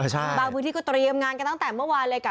บางพื้นที่ก็เตรียมงานกันตั้งแต่เมื่อวานเลยค่ะ